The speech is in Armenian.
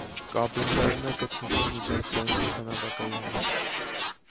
Կաբինդայում է գտնվում միջազգային օդանավակայանը։